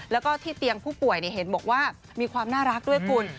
แล้วก็ที่เตียงผู้ป่วยเห็นบอกว่ามีความน่ารักด้วยคุณ